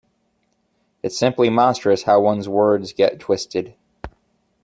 It's simply monstrous how one's words get twisted.